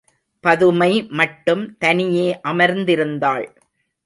பதுமை மட்டும் தனியே அமர்ந்திருந்தாள்.